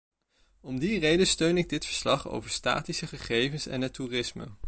Om die reden steun ik dit verslag over statistische gegevens en het toerisme.